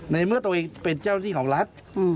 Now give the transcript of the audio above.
ในเมื่อตัวเองเป็นเจ้าหน้าที่ของรัฐ